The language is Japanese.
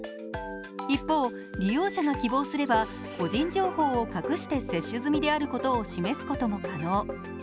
一方、利用者が希望すれば、個人情報を隠して接種済みであることを示すことも可能。